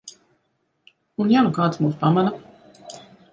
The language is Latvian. Un ja nu kāds mūs pamana?